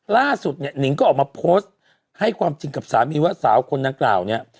ล่าสุดเนี่ยนิงก็ออกมาโพสต์ให้ความจริงกับสามีว่าสาวคนดังกล่าวเนี่ย